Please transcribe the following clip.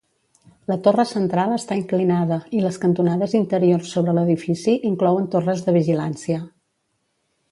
La torre central està inclinada i les cantonades interiors sobre l'edifici inclouen torres de vigilància.